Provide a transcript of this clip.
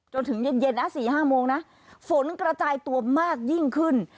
จนถึงเย็นนะ๔๕โมงนะฝนกระจายตัวมากยิ่งขึ้น